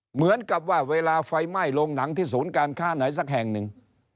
เหมือนกับว่าเวลาไฟไหม้โรงหนังที่ศูนย์การค้าไหนสักแห่งหนึ่ง